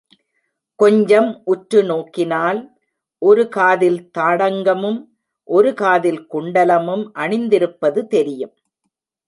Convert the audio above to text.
கொஞ்சம் உற்று நோக்கினால் ஒரு காதில் தாடங்கமும் ஒரு காதில் குண்டலமும் அணிந்திருப்பது தெரியும்.